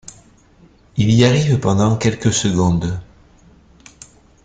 Il y arrive pendant quelques secondes.